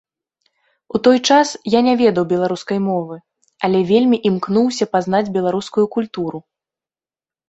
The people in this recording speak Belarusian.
У той час я не ведаў беларускай мовы, але вельмі імкнуўся пазнаць беларускую культуру.